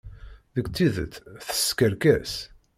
Deg tidet, teskerkes.